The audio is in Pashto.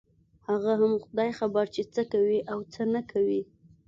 هغه هم خداى خبر چې څه کوي او څه نه کوي.